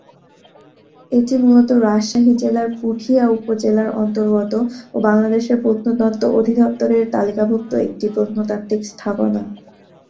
এটি মূলত রাজশাহী জেলার পুঠিয়া উপজেলার অন্তর্গত ও বাংলাদেশ প্রত্নতত্ত্ব অধিদপ্তর এর তালিকাভুক্ত একটি প্রত্নতাত্ত্বিক স্থাপনা।